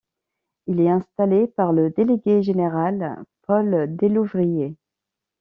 Il est installé par le Délégué général Paul Delouvrier.